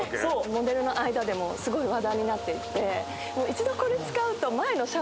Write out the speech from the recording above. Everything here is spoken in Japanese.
モデルの間でもすごい話題になってて。